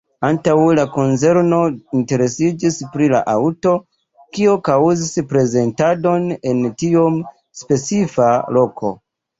Antaŭe la konzerno interesiĝis pri la aŭto, kio kaŭzis prezentadon en tiom specifa loko.